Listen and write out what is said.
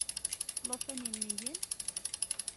Lṭufan-inem igen?